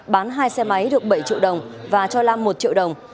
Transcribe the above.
bán hai xe máy được bảy triệu đồng và cho lam một triệu đồng